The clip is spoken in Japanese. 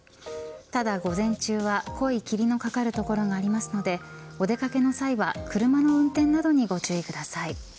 ただ午前中は濃い霧のかかる所がありますのでお出掛けの際は車の運転などにご注意ください。